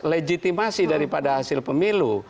legitimasi daripada hasil pemilu